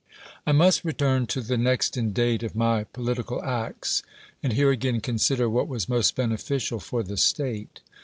I must return to the next in date of my polit ical acts ; and here again consider what was most beneficial for the state.